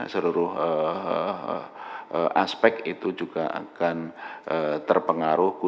seluruh aspek itu juga akan terpengaruh